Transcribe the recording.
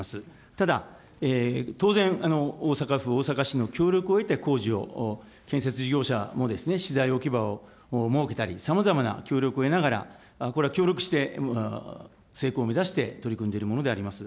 ただ、当然、大阪府大阪市の協力を得て、工事を建設事業者も資材置き場を設けたり、さまざまな協力を得ながら、これは協力して成功を目指して取り組んでいるものであります。